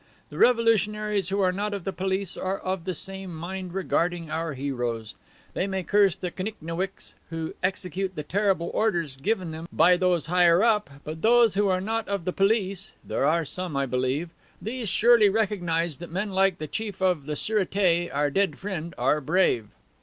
The revolutionaries who are not of the police are of the same mind regarding our heroes. They may curse the tchinownicks who execute the terrible orders given them by those higher up, but those who are not of the police (there are some, I believe) these surely recognize that men like the Chief of the Surete our dead friend, are brave."